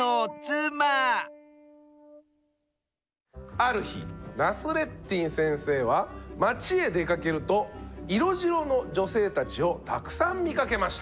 ある日ナスレッディン先生は町へ出かけると色白の女性たちをたくさん見かけました。